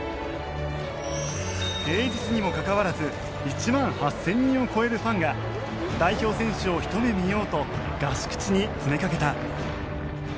平日にもかかわらず１万８０００人を超えるファンが代表選手をひと目見ようと合宿地に詰めかけた。